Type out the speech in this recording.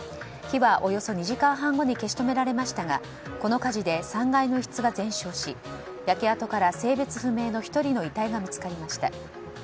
火はおよそ２時間半後に消し止められましたがこの火事で３階の一室が全焼し焼け跡から性別不明の１人の遺体が見つかりました。